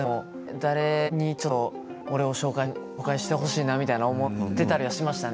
誰にも俺を紹介してほしいなと思ったりはしましたね。